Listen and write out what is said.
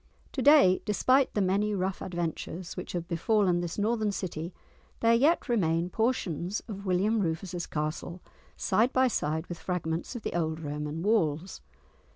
To day, despite the many rough adventures which have befallen this northern city, there yet remain portions of William Rufus's castle, side by side with fragments of the old Roman walls.